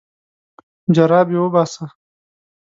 جرابې وباسه.